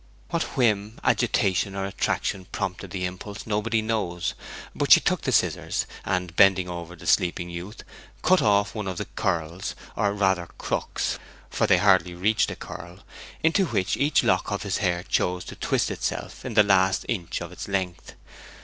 What whim, agitation, or attraction prompted the impulse, nobody knows; but she took the scissors, and, bending over the sleeping youth, cut off one of the curls, or rather crooks, for they hardly reached a curl, into which each lock of his hair chose to twist itself in the last inch of its length.